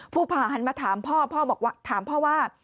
ภูผาหันมาถามพ่อพ่อถามพ่อว่า